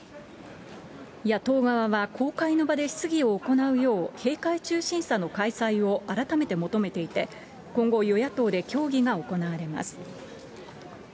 野党側は公開の場で質疑を行うよう、閉会中審査の開催を改めて求めていて、今後、与野党で協議が行われます。